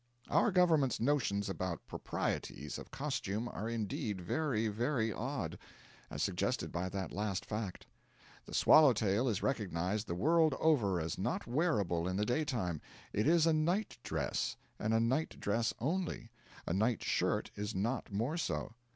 Our Government's notions about proprieties of costume are indeed very, very odd as suggested by that last fact. The swallow tail is recognised the world over as not wearable in the daytime; it is a night dress, and a night dress only a night shirt is not more so.